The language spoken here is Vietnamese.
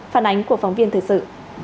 phản ánh của phóng viên thời sự